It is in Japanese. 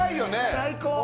最高。